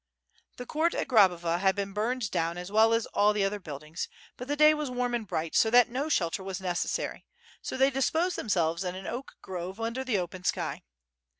The court 8 12 WITH FIRE AND SWORD. at Grabova had been burned down as well as all the other buildings, but the day was warm and bright; so that no shelter was necessary, s# they disposed themselves in an oak grove under the open sky.